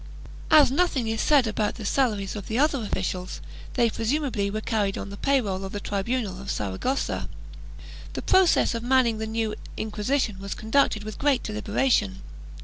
As nothing is said about the salaries of the other officials, they presumably were carried on the pay roll of the tribunal of Saragossa. The process of manning the new Inquisition was conducted with great deliberation.